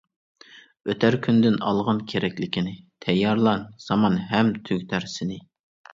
ئۆتەر كۈندىن ئالغىن كېرەكلىكىنى، تەييارلان، زامان ھەم تۈگىتەر سېنى.